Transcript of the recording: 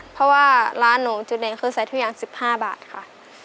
เพราะว่าร้านหนูจุดเด่นคือใส่ทุกอย่าง๑๕บาทค่ะ